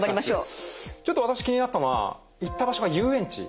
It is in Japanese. ちょっと私気になったのは行った場所が遊園地。